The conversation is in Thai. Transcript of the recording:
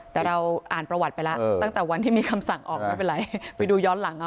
แต่เราอ่านประวัติไปแล้วตั้งแต่วันที่มีคำสั่งออกไม่เป็นไรไปดูย้อนหลังเอา